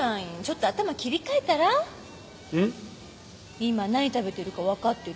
今何食べてるかわかってる？